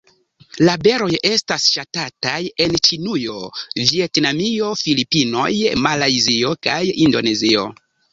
La beroj estas ŝatataj en Ĉinujo, Vjetnamio, Filipinoj, Malajzio kaj Indonezio.